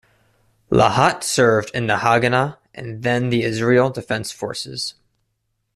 Lahat served in the Haganah and then the Israel Defense Forces.